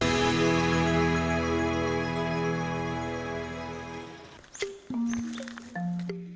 pembah atb tidak bermanfaat